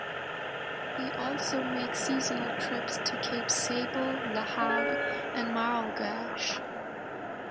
He also make seasonal trips to Cape Sable, LaHave, and Mirlegueche.